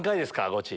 ゴチ。